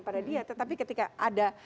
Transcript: pada dia tetapi ketika ada